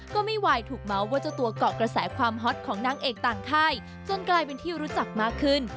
ก็ไม่ไหวถูกเมาส์ว่าเจ้าตัวเกาะกระแสความฮอตของนางเอกต่างค่ายจนกลายเป็นที่รู้จักมากขึ้น